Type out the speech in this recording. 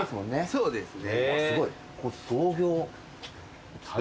そうですか。